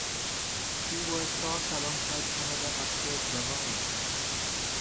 He was cast alongside Kannada actress Bhavana.